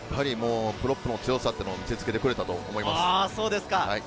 プロップの強さを見せつけてくれたと思います。